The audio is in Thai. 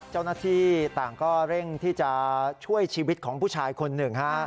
เจ้าหน้าที่ต่างก็เร่งที่จะช่วยชีวิตของผู้ชายคนหนึ่งฮะ